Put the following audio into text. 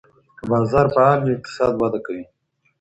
که بازار فعال وي اقتصاد وده کوي.